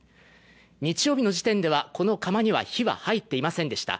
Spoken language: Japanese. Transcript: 日曜日の時点では、この窯には火は入っていませんでした。